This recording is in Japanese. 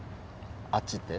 あっちって？